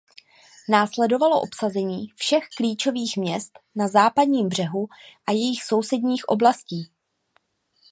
Následovalo obsazení všech klíčových měst na Západním břehu a jejich sousedních oblastí.